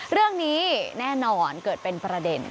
เรื่องนี้แน่นอนเกิดเป็นประเด็น